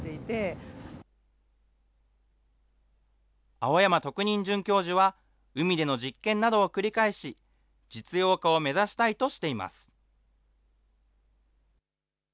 青山特任准教授は、海での実験などを繰り返し、実用化を目指したいとしています。